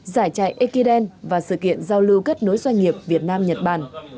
giải chạy ekiden và sự kiện giao lưu kết nối doanh nghiệp việt nam nhật bản